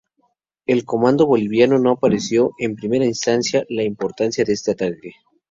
El comando boliviano no apreció en primera instancia la importancia de este ataque.